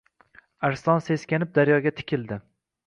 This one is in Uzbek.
Arslon seskanib daryoga tikildi.